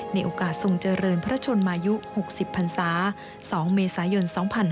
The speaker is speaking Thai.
ในโอกาสทรงเจริญพระชนมายุ๖๐พันศา๒เมษายน๒๕๕๙